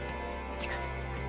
近づいてくる。